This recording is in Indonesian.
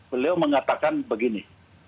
beliau mengatakan begini